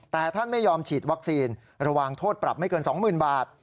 แต่ท่านไม่ยอมฉีดวัคซีนระหว่างโทษปรับไม่เกิน๒๐๐๐บาท